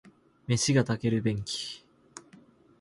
飯が炊ける便器